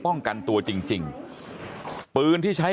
บอกแล้วบอกแล้วบอกแล้ว